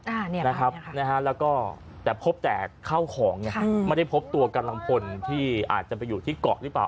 อ่าเนี่ยนะครับนะฮะแล้วก็แต่พบแต่เข้าของไงไม่ได้พบตัวกำลังพลที่อาจจะไปอยู่ที่เกาะหรือเปล่า